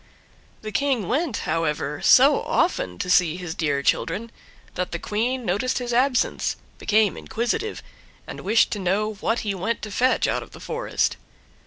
The King went, however, so often to see his dear children, that the Queen noticed his absence, became inquisitive, and wished to know what he went to fetch out of the forest.